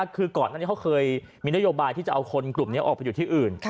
คือก่อนอันนี้เขาเคยมีนโยบายที่จะเอาคนกลุ่มนี้ออกไปอยู่ที่อื่น